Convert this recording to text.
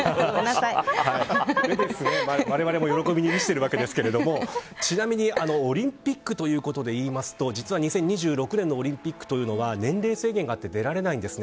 我々も喜びに満ちているわけですがちなみに、オリンピックということでいうと実は２０２６年のオリンピックというのは年齢制限があって出られないんです。